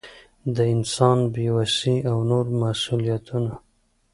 د انسان بې وسي او نور مسؤلیتونه.